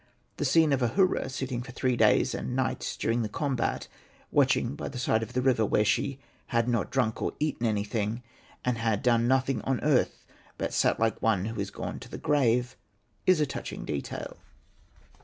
The scene of Ahura sitting for three days and nights, during the combat, watching by the side of the river, where she ''had not drunk or eaten anything, and had done nothing on earth but sat like one who is gone to the grave," is a touching detail.